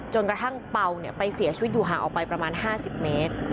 กระทั่งเป่าไปเสียชีวิตอยู่ห่างออกไปประมาณ๕๐เมตร